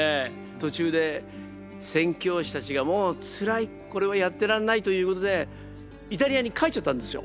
途中で宣教師たちがもうつらいこれはやってらんないということでイタリアに帰っちゃったんですよ。